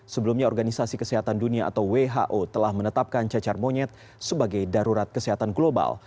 sebelumnya organisasi kesehatan dunia atau who telah menetapkan cacar monyet sebagai darurat kesehatan global